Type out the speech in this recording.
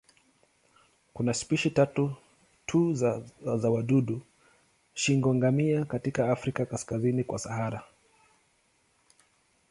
Kuna spishi tatu tu za wadudu shingo-ngamia katika Afrika kaskazini kwa Sahara.